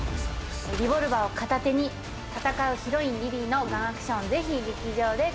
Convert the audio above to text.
リボルバーを片手に戦うヒロインリリーのガンアクションをぜひ劇場でご覧ください。